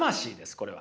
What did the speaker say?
これは。